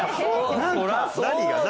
何が？